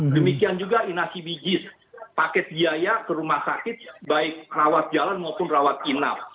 demikian juga inasi bijis paket biaya ke rumah sakit baik rawat jalan maupun rawat inap